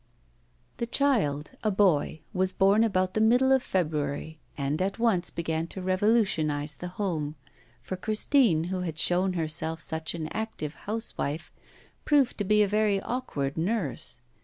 The child, a boy, was born about the middle of February, and at once began to revolutionise the home, for Christine, who had shown herself such an active housewife, proved to be a very awkward nurse.